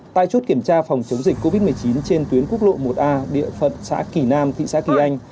tại chốt kiểm tra phòng chống dịch covid một mươi chín trên tuyến quốc lộ một a địa phận xã kỳ nam thị xã kỳ anh